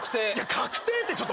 確定ってちょっと待って。